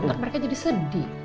nanti mereka jadi sedih